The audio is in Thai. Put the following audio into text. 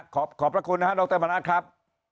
ขอบพระคุณนะครับดรมานะครับ